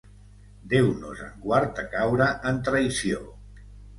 Déu nos en guard de caure en traïció!